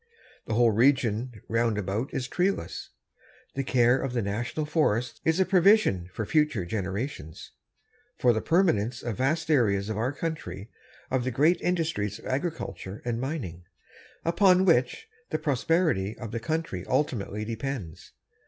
The whole region round about is treeless. The care of the national forests is a provision for future generations, for the permanence over vast areas of our country of the great industries of agriculture and mining upon which the prosperity of the country ultimately depends.